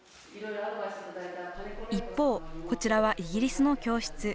一方、こちらはイギリスの教室。